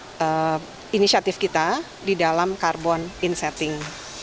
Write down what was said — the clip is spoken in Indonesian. ini adalah inisiatif kita di dalam carbon in setting